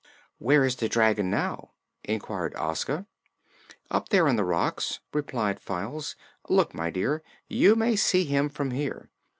"Where is the dragon now?" inquired Ozga. "Up there on the rocks," replied Files. "Look, my dear; you may see him from here.